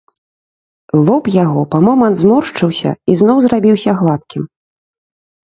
Лоб яго па момант зморшчыўся і зноў зрабіўся гладкім.